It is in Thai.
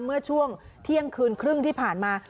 เมื่อช่วงเที่ยงคืนครึ่งที่ผ่านมา